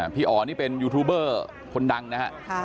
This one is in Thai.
พี่อ๋อนี่เป็นยูทูบเบอร์คนดังนะฮะ